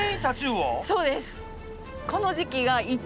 そうです。